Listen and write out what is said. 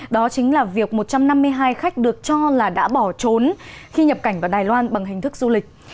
đó chính là việc một trăm năm mươi hai khách được cho là đã bỏ trốn khi nhập cảnh vào đài loan bằng hình thức du lịch